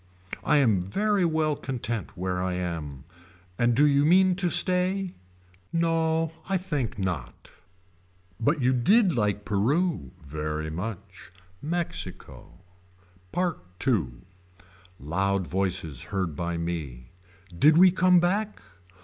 I am very well content where I am. And do you mean to stay. No I think not. But you did like Peru. Very much. MEXICO PART II. Loud voices heard by me. Did we come back.